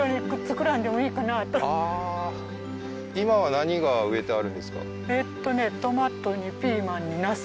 今は何が植えてあるんですか？